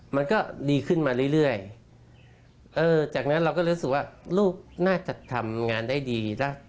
มันก็ดีขึ้นมาเรื่อยจากนั้นเราก็รู้สึกว่าลูกน่าจะทำงานได้ดีนะ